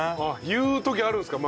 言う時あるんですか？